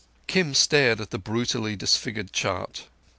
_" Kim stared at the brutally disfigured chart.